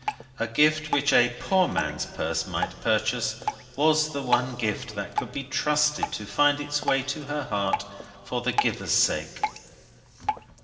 A gift, which a poor man's purse might purchase, was the one gift that could be trusted to find its way to her heart, for the giver's sake.